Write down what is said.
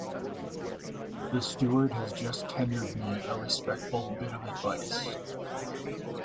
The steward has just tendered me a respectful bit of advice.